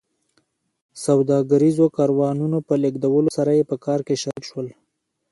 سوداګریزو کاروانونو په لېږدولو سره یې په کار کې شریک شول